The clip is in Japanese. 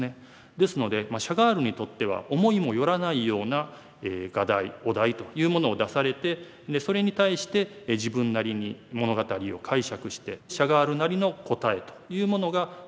ですのでシャガールにとっては思いも寄らないような画題お題というものを出されてでそれに対して自分なりに物語を解釈してシャガールなりの答えというものが出ている。